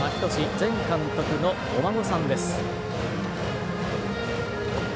前監督のお孫さんです。